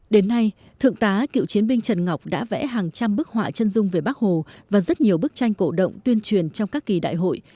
đến nay thượng tá cựu chiến binh trần ngọc đã vẽ hàng trăm bức họa chân dung về bác hồ và rất nhiều bức tranh cổ động tuyên truyền trong các kỳ đại hội